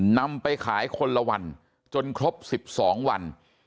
นำไปขายคนละวันจนครบ๑๒วัน